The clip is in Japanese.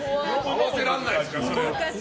合わせられないですから。